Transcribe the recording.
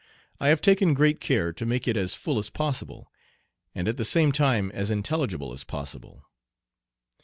I have taken great care to make it as full as possible, and at the same time as intelligible as possible.